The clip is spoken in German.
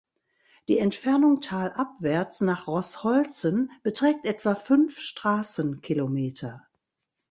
Die Entfernung talabwärts nach Roßholzen beträgt etwa fünf Straßenkilometer.